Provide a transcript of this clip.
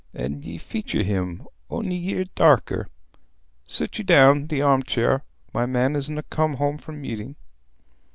An' ye feature him, on'y ye're darker. Sit ye down i' th' arm chair. My man isna come home from meeting."